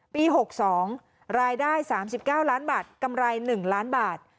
ปี๖๒รายได้๓๙ล้านบาทกำไร๑ล้านบาท